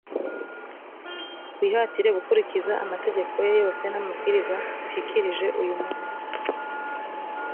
wihatire gukurikiza amategeko ye yose n’amabwiriza ngushyikirije uyu munsi,